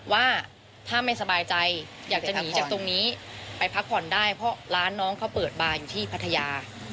ว่าถ้าไม่สบายใจอยากจะหนีจากตรงนี้ไปพักผ่อนได้เพราะร้านน้องเขาเปิดบาร์อยู่ที่พัทยา